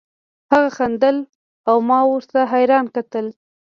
هغه خندل او ما ورته حيران کتل.